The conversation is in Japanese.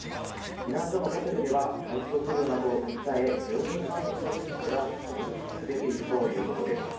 避難所のホテルでは、体調不良などを訴え、病院に搬送される人が連日、出ているということです。